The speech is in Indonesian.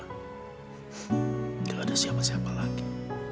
tidak ada siapa siapa lagi